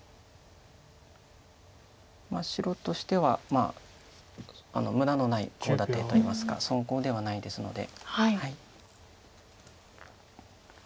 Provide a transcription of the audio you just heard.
白としては無駄のないコウ立てといいますか損コウではないですので。